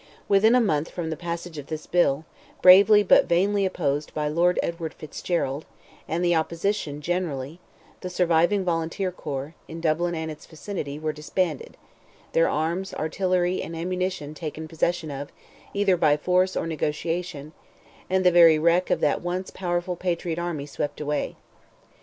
Within a month from the passage of this bill, bravely but vainly opposed by Lord Edward Fitzgerald, and the opposition generally, the surviving Volunteer corps, in Dublin and its vicinity, were disbanded, their arms, artillery, and ammunition taken possession of either by force or negotiation, and the very wreck of that once powerful patriot army swept away.